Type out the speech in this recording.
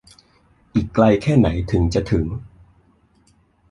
อีกไกลแค่ไหนถึงจะถึง